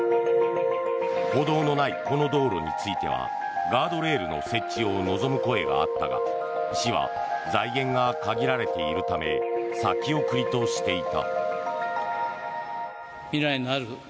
歩道のないこの道路についてはガードレールの設置を望む声があったが市は財源が限られているため先送りとしていた。